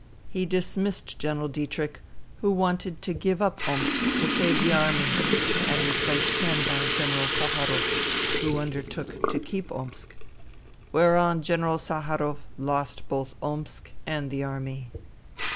He dismissed General Ditrich, who wanted to give up Omsk to save the Army, and replaced him by General Saharov, who undertook to keep Omsk ; whereon General Saharov lost both Omsk and the Army."